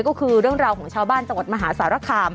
ก็คือเรื่องราวของชาวบ้านจังหวัดมหาสารคาม